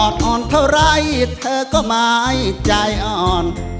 อ่อนเท่าไรเธอก็ไม่ใจอ่อน